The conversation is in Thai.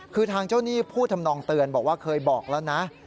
คือทางเจ้าหนี้พูดทำนองเตือนบอกว่าเคยบอกแล้วนะ